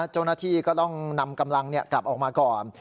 เจ้าหน้าที่ก็ต้องนำกำลังกลับออกมาก่อน